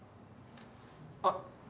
あっ。